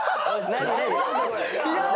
何？」